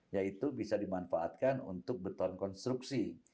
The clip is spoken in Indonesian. yaitu bisa dimanfaatkan untuk beton konstruksi